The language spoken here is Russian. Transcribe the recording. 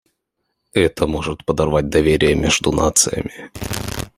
Это может подорвать доверие между нациями.